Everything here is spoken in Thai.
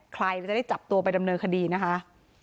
ใครจะได้จับตัวไปดำเนินคดีนะคะ